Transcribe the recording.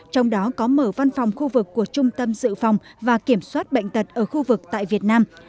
trong đó có mở văn phòng khu vực của trung tâm dự phòng và kiểm soát bệnh tật ở khu vực tại việt nam